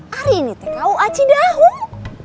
hari ini tku aci dahung